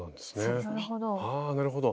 なるほど。